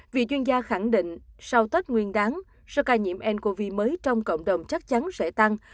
vì chuyên gia khẳng định sau tết nguyên đáng số ca nhiễm ncov mới trong cộng đồng chắc chắn sẽ tăng